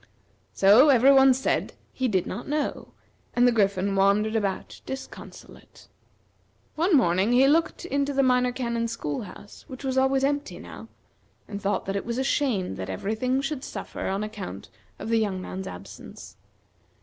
So every one said he did not know, and the Griffin wandered about disconsolate. One morning he looked into the Minor Canon's school house, which was always empty now, and thought that it was a shame that every thing should suffer on account of the young man's absence.